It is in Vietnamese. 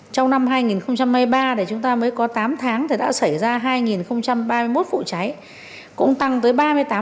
trong năm hai nghìn hai mươi ba thì chúng ta mới có tám tháng thì đã xảy ra hai ba mươi một vụ cháy cũng tăng tới ba mươi tám